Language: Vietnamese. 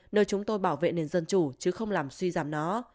nơi chúng tôi bảo vệ nền dân chủ chứ không làm suy giảm nó